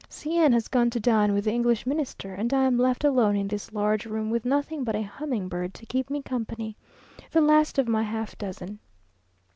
C n has gone to dine with the English Minister, and I am left alone in this large room, with nothing but a humming bird to keep me company; the last of my half dozen.